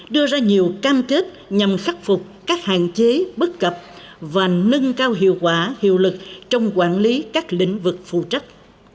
đưa ra nhiều cam kết nhằm khắc phục các hạn chế bất cập và nâng cao hiệu quả hiệu lực trong quản lý các lĩnh vực phụ trách